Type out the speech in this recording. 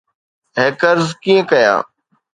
hackers ڪيئن ڪيا